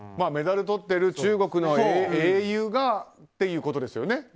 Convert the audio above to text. メダルとっている中国の英雄がということですね。